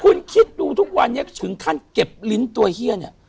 คุณคิดดูทุกวันนี้ถึงขั้นเก็บลิ้นตัวเฮียเนี่ย